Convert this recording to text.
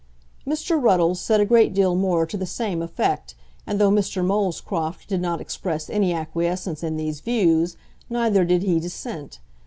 Mr. Ruddles said a great deal more to the same effect, and though Mr. Molescroft did not express any acquiescence in these views, neither did he dissent.